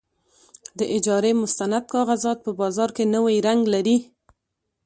د اجارې مستند کاغذات په بازار کې نوی رنګ لري.